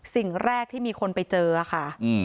สิ่งแรกที่มีคนไปเจอค่ะ